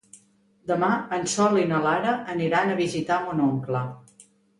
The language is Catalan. Demà en Sol i na Lara aniran a visitar mon oncle.